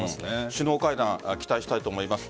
首脳会談期待したいと思います。